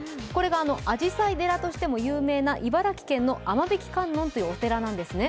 あじさい寺としても有名な茨城県の雨引観音というお寺なんですね。